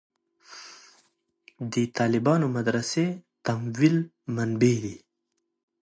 د طالبانو مدرسې تمویل منبعې دي.